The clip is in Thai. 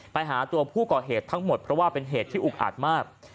ไปหาตัวผู้ก่อเหตุทั้งหมดเพราะว่าเป็นเหตุที่อุกอาจมาก